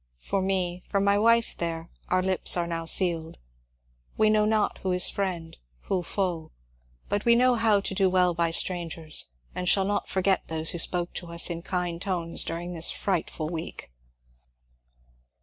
For me, for my wife there, our lips are now sealed ; we know not who is friend, who foe ; but we know how to do weU by strangers, and shall not forget those who spoke to us in kind tones during this frightful week.